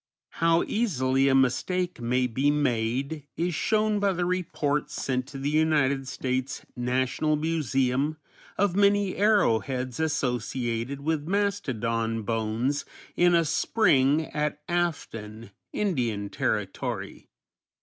How easily a mistake may be made is shown by the report sent to the United States National Museum of many arrowheads associated with mastodon bones in a spring at Afton, Indian Territory.